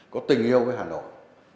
có tình yêu với hà nội